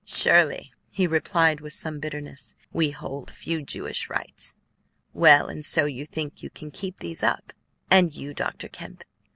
"Surely," he replied with some bitterness, "we hold few Jewish rites. Well, and so you think you can keep these up? And you, Dr. Kemp?"